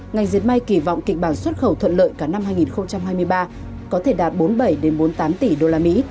ngành diệt may kỳ vọng kịch bản xuất khẩu thuận lợi cả năm hai nghìn hai mươi ba có thể đạt bốn mươi bảy bốn mươi tám tỷ usd